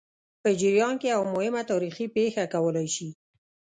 په جریان کې یوه مهمه تاریخي پېښه کولای شي.